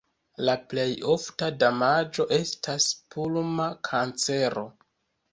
La plej ofta damaĝo estas pulma kancero.